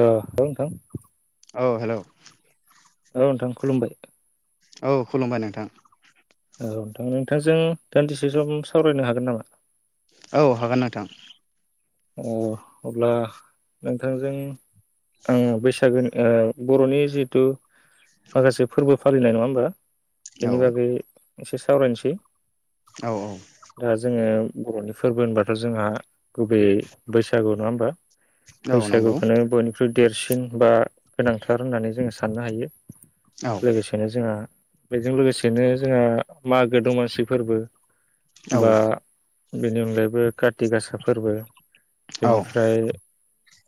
औ [unintelligible] नोंथां औ हेल' औ नोंथां खुलुमबाय औ खुलुमबाय नोंथां औ नोंथां नोंथांजों दान्दिसे सम सावरायनो हागोन नामा औ हागोन नोंथां अ अब्ला नोंथांजों आं बैसागनि ओ बर'नि जिथु माखासे फोरबो फालिनाय नङा होमबा औ बिनि बागै एसे सावरायनसै औ दा जोङो बर'नि फोरबो होनबाथ' जोंहा गुबैयै बैसागु नङा होनबा? औ नंगौ बैसागुखौनो बयनिख्रुइ देरसिन बा गोनांथार होननानै जोङो साननो हायो औ लोगोसेनो जोंहा बेजों लोगोसेनो जोंहा मागो दमासि फोरबो औ बा बेनि अनगायैबो काति गासा फोरबो औ बेनिफ्राय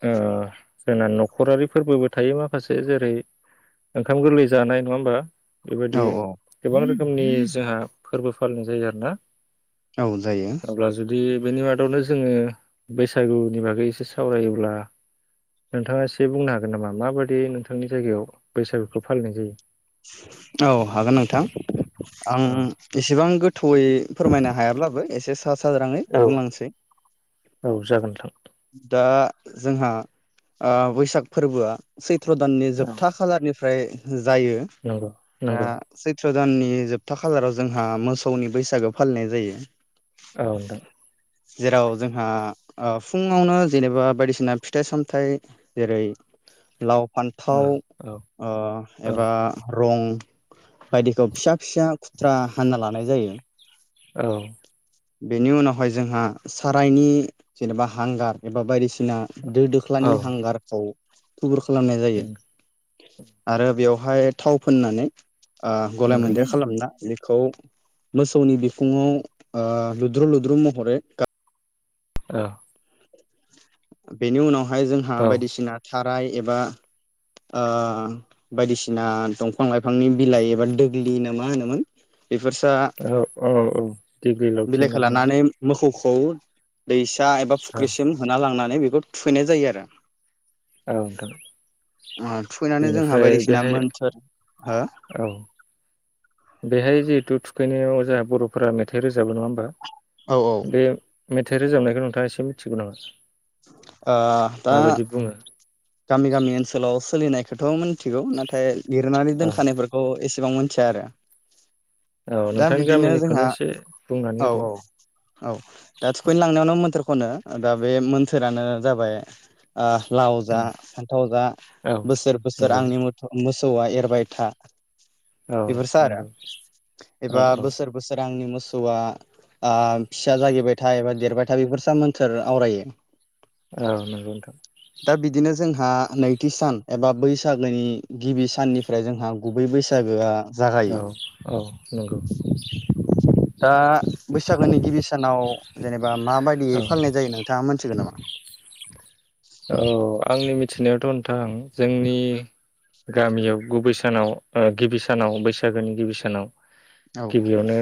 जोंना न'खरारि फोरबोबो थायो माखासे जेरै ओंखाम गोरलै जानाय नङा होमबा? बेबायदि औ गोबां रोखोमनि जोंहा फोरबो फालिनाय जायो आरोना । औ जायो बेनि मादावनो जोङो बैसागुनि बागै एसे सावरायोब्ला नोंथाङा एसे बुंनो हागोन नामा माबाददि नोंथांनि जायगायाव बैसागुखौ फालिनाय जायो? औ हागोन नोंथां आं औ एसेबां गो थयै फोरमायनो हायाब्लाबो एसे सा साज्रांयै बुंलांनोसै औ जागोन नोंथां दा जोंहा ओ बैसागु फोरबोआ सैथ सट्र दाननि औ जोबथा खालारनि ओमफ्राय जायो नंगौ नंगौ सैट्र दाननि जोबथा खालाराव जोंहा मोसौनि बैसागो फालिनाय जायो औ नोंथां जेराव जोंहा फुङावनो जेनेबा बायदिसिना फिथाइ सामथाइ जेरै लाव औ फान्थाव औ औ एबा बायदिखौ फिसा फिसा खुथ्रा हानना लानाय जायो औ बेनि उनावहाय जोंहा सारायनि जेनेबा हांगार एबा बायदिसिना दो औ दोख्लानि हांगारखौ खुगुर खालामनाय जायो आरो बेवहाय थाव फोननानै गलाय नंगौ मोनदेर खालामना खौ मोसौनि बिखुङाव लुद्रु -लुद्रु महरै अ बेनि उनाव माय जोंहा औ बायदिसिना साराय एबा बायदिसिना दंफां -लाइफांनि बिलाइ एबा दोग्लि ना मा होनोमोन? बेफोरसा औ- औ -औ। दिग्लि लावथि होनना बिलाइखौ बुङो लानानै मोसौ खौ दैसा एबा औ फुख्रिसिम होना लांनानै -नानै बेखौ थुफैनाय जायो आरो। औ नोंथां थुखैनानै जोंहा बेनिफ्राय बायदिसिना बेहाय मोनथोर हो औ बेहाय जिहेथु थुखैनायाव जोंहा बर'फोरा मेथाइ रोजाबो नङा होमबा? औ -औ। बे मेथाइ रोजाबनायखौ नोंथाङा एसे मिथिगौ नङा? अ दा गामि -गामि ओनसोलाव सोलिनायखौथ' मिथिगौ नाथाय लिरनानै औ दोनखानायफोरखौ एसे बेसेबां मोनथिया आरो औ दा नोंथांनि बिदिनो गामिनिखौनो जोंहा एसे बुंनानै औ होदो -औ -औ दा थुखैनो लांनायावनो मोनथ्र खनो दा बे मोनसोरानो जाबाय लाव जा उम फान्थाव जा औ बोसोर बोसोर नंगौ आंनि मथे मोसौ सौआ एरबाय था। औ बेफोरसो आरो नंगौ औ एबा बोसोर बोसोर आंनि मोसा मोसौआ ओ फिसा जागिबायथायथा बा देरबायथायथा बेफोरसा मोन्थोर आवरायो। औ नंगौ नोंथां। दा बिदिनो जोंहा नैथि सान एबा बैसागोनि गिबि साननिफ्राय जोंहा गुबै बैसागोआ जागायो औ औ नंगौ। दा बैसागोनि गिबि सानाव औ दे। दा माबायदि औ फालिनाय जायो नोंथाङा मोनथिगोन नामा? औ आंनि मिथिनायावथ' नोंथां जोंनि गामियाव गुबै सानाव गिबि सानाव बैसागोनि गिबि सानाव औ गिबियावनो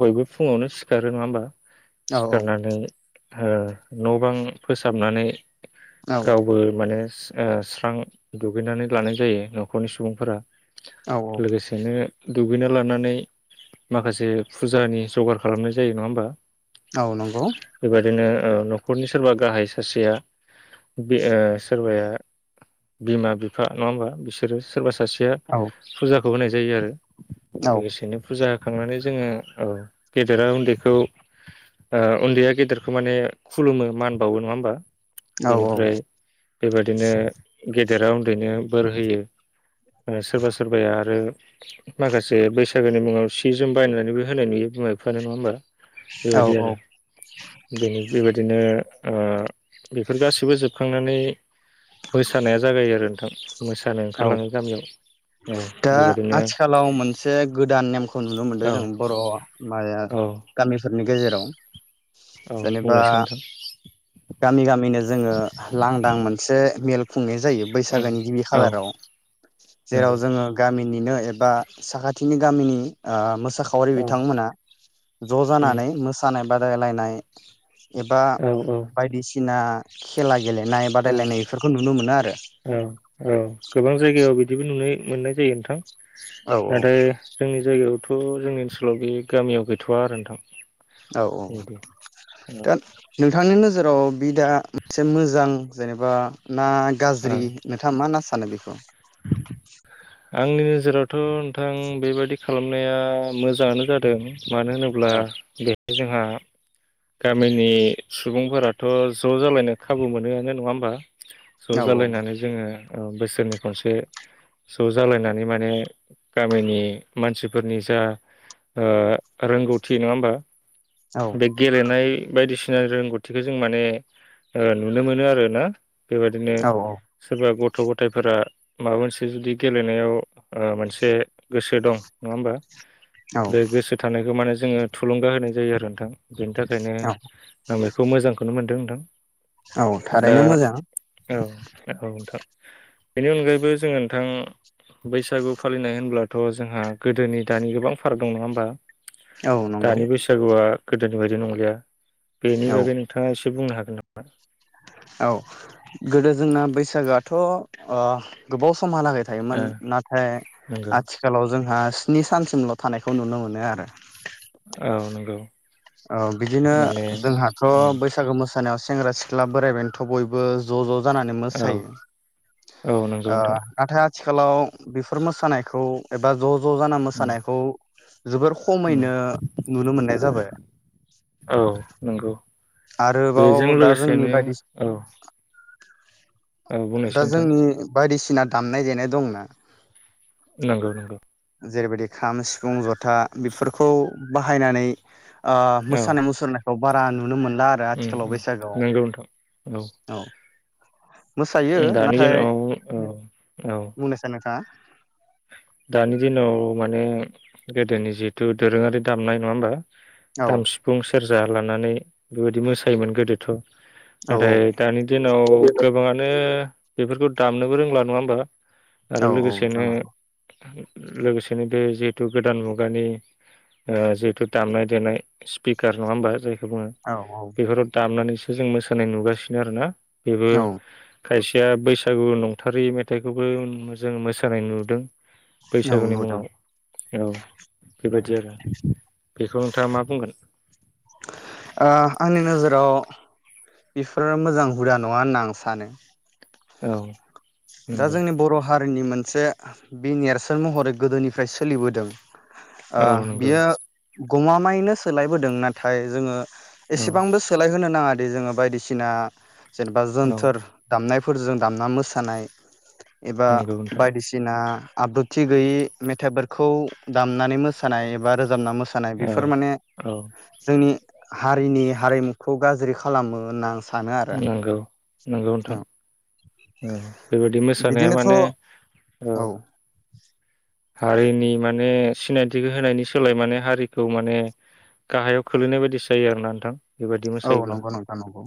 बयबो फुङावनो सिखारो नङा होमबा? औ सिखारनानै ओ न' बां फोसाबनानै औ गावबो माने ओ स्रां दुगैनानै लानाय जायो न'खरनि सुबुंफोरा। औ औ लोगोसेनो दुगैना लानानै माखासे फुजानि जगार खालामनाय जायो नङा होमबा? औ नंगौ। बेबायदिनो ओ न'खरनि सोरबा गाहाय सासेया बे सोरबाया बिमा बिफा नङा होमबा बिसोरो सोरबा सासेया औ फुजा खौ होनाय जायो आरो। औ लोगोसेनो फुजा खांनानै जोङो गेदेरा उन्दैखौ उन्दैया गेदेरखौ माने खुलुमो मान बावो नङा होमबा? औ बेनिफ्राय बेबादिनो गेदेरा उन्दैनो बोर होयो सोरबा सोरबाया आरो माखासे बैसागोनि मुङाव सि जोम बायनानैबो होनाय नुयो बिमा बिफानो नङा होमबा? औ बेबायदि आरो बेनि बेबायदिनो ओ बेफोर गासैबो जोबखां खांनानै मोसानाया जागायो आरो नोंथां। मोसानो औ ओंखारलाङो गामियाव औ दा बेबायदिनो आथिखालाव मोनसे गोदान नेमखौ नुनो मोनदों औ जों बर' माया औ गामिफोरनि गेजेराव। औ जेनेबा बुंलायसै नोंथां गामि गामिनो जोङो लांदां मोनसे मेल फुंनि जायो उम बैसागोनि गिबि औ खालाराव जेराव नंगौ जोङो गामिनि नो एबा साखाथिनि गामिनि ओ मो साखावरि औ बिथांमोना ज' उम जानानै मोसानाय। बादायलायनाय एबा औ औ बायदिसिना खेला गेलेनाय औ बादायलायनाय बेफोरखौ नुनो मोनो आरो। औ औ गोबां जायगायाव बिदिबो नु मोननाय जायो नोंथां औ नाथाय जोंनि जायगायाव थ' जोंनि ओनसोलाव बे गामियाव गैथ'वा आरो नोंथां औ औ बेबायदि दा ओ नोंथांनि नोजोराव बिदा मोनसे मोजां जेनेबा ना गाज्रि नोंथाङा मा होनना सानो बिखौ आंनि नोजोरावथ' नोंथां बेबादि खालामनाया मोजाङानो जादों मानो होनोब्ला औ बे जोंहा गामिनि सुबुंफोराथ' ज' जालायनो खाबु मोनोआनो नङा होमबा ज' औ जालायनानै जोङो औ बोसोरनि खनसे ज' जालायनानै माने गामिनि मानसिफोरनि जा अ रोंगौथि नङा होमबा औ बे गेलेनाय बायदिसिना रोंगौथिखौ जों माने ओ नुनो मोनो आरो ना बेबायदिनो सोरबा गथ' गथ' गथायफोरा माबा मोनसे बि जुदि गेलेनायाव अ मोनसे गोसो दं नङा होमबा औ बे गोसो थानायखौ माने जोङो थुलुंगा होनाय जायो आरो नोंथां बेनि थाखायनो औ आं बेखौ मोजांखौनो मोनदों नोंथां औ दा थारैनो मोजां औ औ नोंथां बेनि अनगायैबो जोङो थां बैसागु फालिनाय होनब्लाथ' जोंहा गोदोनि दानि गोबां फाराग दं नंङा होमबा औ नंगौ दानि बैसागुआ गोदोनि बायदि नंलिया बेनि औ बागै नोंथांङा एसे बुंनो हागो [unintelligible] औ गोदो जोंना बैसागोआथ' अ गोबाव स समहालागै नामा थायोमोन ओ नाथाय नंगौ आथिखालाव जोंहा स्नि सानसिमल' थानायखौ नुनो मोनो आरो औ नों गौ औ बिदिनो जोंहाथ' उम बैसागो मोस सानायाव सेंग्रा सिख्ला बोराय बेनथ' बयबो ज' ज' जानानै औ मोसायो औ नंगौ ओ नोंथां नाथाय आ आथिखालाव बेफोर मोसानायखौ एबा ज' ज' जाना उम मोसानायखौ [inaudible] जोबोर उम खमैनो नुनो मोननाय जाबाय औ नंगौ बेजों आरोबाव दा जोंनि लोगोसेनो बायदि औ औ दा बुंनायसै नोंथां जोंनि बायदिसिना दामनाय देनाय दंना नंगौ नंगौ जेरैबायदि खाम सिफुं जथा बेफोरखौ बाहायनानै अ औ मोसानाय मुसुरनाय ओ बारा नुनो मोनला आरो उम आथिखालाव उम बैसागोआव नंगौ औ मोसायो उ दानि ज नाथाय औ बुंनोसै नोंथाङा दानि दिनाव माने गोदोनि जिहेथु दोरोङारि दामनाय नङा होमबा औ खाम सिफुं सेरजा जा लानानै बेबायदि मोसायोमोन गोदोथ' औ नाथाय दानि दिनाव गोबाङानो बेफोरखौ दामनोबो रोंला नङा होमबा औ आरो लोगोसेनो नोंथाङा लोगोसेनो बे जिहेथु गोदान मुगानि जिहेतु दामनाय देनाय स्पिकार नङा होमबा जाय बुङो औ औ बेफोराव दामनानै जों मोसानाय नुगासिनो आरो ना बेबो औ खायसेया बैसागु नंथारै मेथाइखौबो जों मोसानाय नुदों औ बैसागुनि नुदों मुङाव औ बेबायाददि आरो बेखौ नोंथाङा मा बुंगोन? ओ आंनि नोजोराव बेफोरो मोजां हुदा नङा होनना आं सानो । औ दा नंगौ जोंनि बर हारिनि मोनसे बि नेरसोन महरै गोदोनिफ्राय सोलिबोदों ओ औ नंगौ बियो गमामायैनो सोलायबोदों नाथाय जोङो औ एसेबांबो सोलायहोनो नाङा जोङो बायदिसिना जेनेबा औ जोनथोर दामनाय फोरजों दामना मोसानाय एबा नंगौ नोंथां बायदिसिना आब्रुथि गैयि मेथाइफोरखौ दामनानै मोसानाय एबा रोजाबना मोसानाय मोसानाय औ बेफोर माने औ जोंनि हारिनि हारिमुखौ गाज्रि खालामो होनना सानो आरो नोंगौ नोंगौ नोंथां औ बे बिदि मोसानाया बिदिनोथ' माने औ औ हारिनि माने सिनायथिखौ होनायनि सोलाय माने हारिखौ माने गाहायाव खोलैनाय बायदिसो जायो आरोना नोंथां । औ नंगौ नंथां नंगौ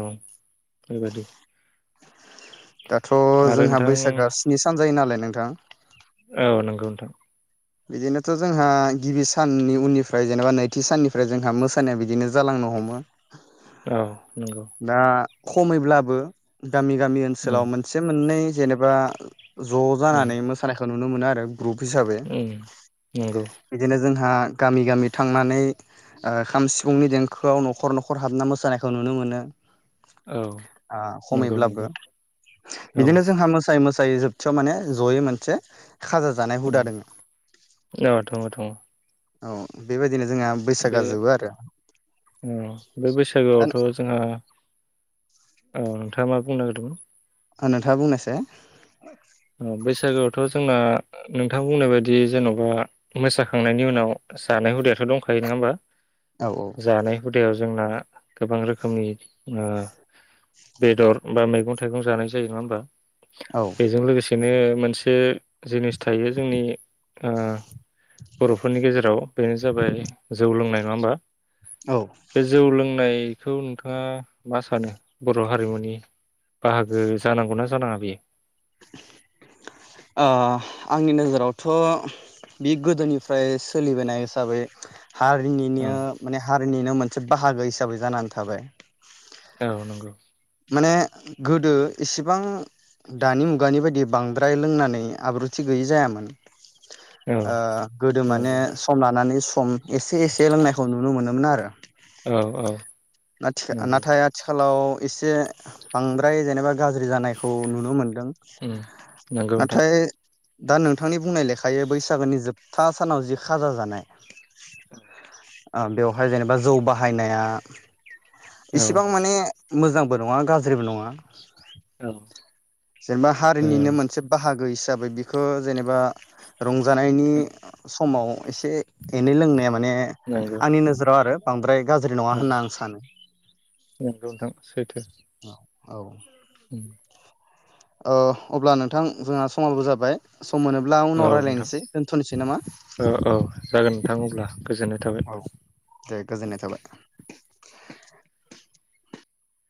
औ बेबायदि दाथ आरो जोंहा नोंथां बैसागो आ स्नि सान जायो नालाय नोंथां औ नंगौ नोंथां बिदिनोथ जोंहा गिबि साननि उननिफ्राय जेनेबा नैथि साननिफ्राय जोंहा मोसानाया बिदिनो जालांनो हमो । औ नंगौ दा खमैब्लाबो गामि गामि ओनसोलाव उम मोनसे मोननै जेनेबा ज' उम जानानै मोसानायखौ नु नुनो मोनो आरो ग्रुप हिसाबै उम नंगौ बिदिनो जोंहा गामि गामि थांनानै ओ खाम सिफुंनि देंखोआव न'खर न'खर हाबना मोसानायखौ नुनो मोनो। औ [inaudible] आ नंगौ खमैब्लाबो नंगौ औ बिदिनो जोंहा मोसायै मोसायै दायो जोबथियाव माने जयै मोनसे खाजा जानाय हुदा उम दङ। औ दङ दङ औ बेबाय बे अ बे दा बैसागोआवथ' जोंहा औ नोंथाङा मा बुंनो नागिरदोंमोन आ नोंथाङा बुंनायसै अ बेस सागोआवथ' जोंना नोंथां बुंनाय बायदि जेन'बा मोसाखांनायनि उनाव जानाय हुदायाथ' दंखायो नङा होमबा औ जानाय हुदायाव जोंना गोबां रोखोमनि ओ बेदर बा मैगं थाइगं जानाय जायो नङा होमबा। औ बेजों लोगो बेनो मोनसे जिनिस थायो जोंनि आ बर'फोरनि गेजेराव बेनो जाबाय जौ लोंनाय नङा होमबा। औ बे जौ लोंनाय खौ नोंथाङा मा सानो बर' हारिमुनि बाहागो जानांगौना जानाङा बियो? ओ आंनि नोजोरावथ' बि गोदोनिफ्राय सोलिबोनाय हिसाबै हारिनिनो ओं माने हा निनो मोनसे बाहागो हिसाबै जानानै थाबाय। औ नंगौ ने गोदो इसिबां दानि मुगानि बायदि बांद्राय लोंनानै आब्रुथि गैयि जायामोन। औ ओ गोदो माने नंगौ सम लानानै सम एसे एसे लोंनायखौ नुनो मोनोमोन आरो [inaudible] औ औ नाथिखा नंगौ नाथाय आथि खालाव एसे बांद्राय जेनेबा गाज्रि जानायखौ नुनो मोनदों उम नंगौ नोंथां नाथाय दा नोंथांनि बुंनाय लेखायै बैसागोनि जोबथा सानाव जि खाजा जानाय औ बेवहाय जेनेबा जौ बाहायनाया औ इसेबां माने मोजांबो नङा गाज्रिबो नङा ओ जेनेबा हारिनिनो मोनसे बाहागो हिस साबै बिखौ जेनेबा रंजानायनि समाव एसे एनै लोंनाया माने नंगौ आंनि नोजोराव आरो बांद्राय गाज्रि नङा औ होनना आं सानो। नंगौ नोंथां सैथो। औ उम ओ अब्ला नोंथां जोंहा समावबो जाबाय। सम मोनोब्ला औ उनाव नोंथां रायज्लायनोसै दोनथ'नोसै नामा औ औ जागोन नोंथां अब्ला। गोजोननाय थाबाय औ दे गोजोननाय थाबाय।